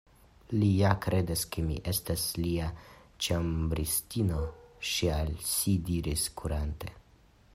“Li ja kredas ke mi estas lia ĉambristino,” ŝi al si diris, kurante.